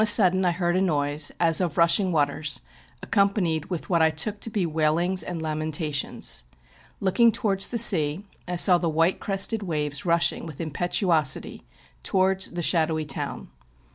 udden I heard a noise, as of rushing waters, accompa nied with what I took to be waitings and lamentations. Looking towards the sea, I saw the white crested waves nulling with impetuosity towards the shadowy town.